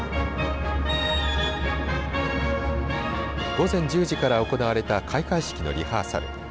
午前１０時から行われた開会式のリハーサル。